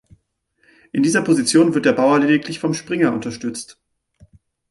In dieser Position wird der Bauer lediglich vom Springer unterstützt.